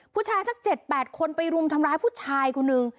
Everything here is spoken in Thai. ผู้ชายชั้น๗กว่า๘คนไปลุมทำร้ายผู้ชายกูหนึ่ง